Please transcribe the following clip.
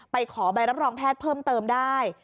ขอใบรับรองแพทย์เพิ่มเติมได้